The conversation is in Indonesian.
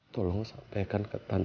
karena dia kenceng